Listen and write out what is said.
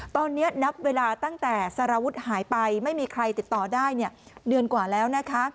ตอนนี้นับเวลาตั้งแต่สารวุฒิหายไปไม่มีใครติดต่อได้เดือนกว่าแล้วนะคะ